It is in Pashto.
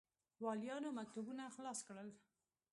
والیانو مکتوبونه خلاص کړل.